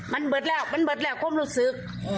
มันเบิดแล้วมันเบิดแล้วความรู้สึก